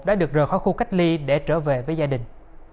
đã được rời khỏi khu cách ly để trở về với gia đình